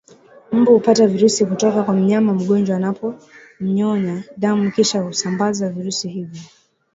Mbu hupata virusi kutoka kwa mnyama mgonjwa anapomnyonya damu Kisha husambaza virusi hivyo